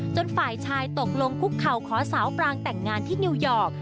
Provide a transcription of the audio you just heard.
ฝ่ายชายตกลงคุกเข่าขอสาวปรางแต่งงานที่นิวยอร์ก